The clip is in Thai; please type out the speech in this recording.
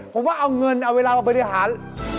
ผมว่าเอาเงินเอาเวลามาบริหาร